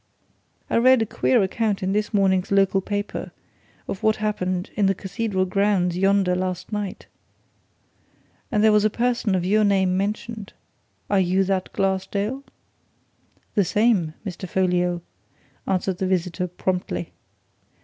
I read a queer account in this morning's local paper of what happened in the Cathedral grounds yonder last night, and there was a person of your name mentioned. Are you that Glassdale?" "The same, Mr. Folliot," answered the visitor, promptly.